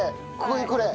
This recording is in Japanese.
ここにこれ？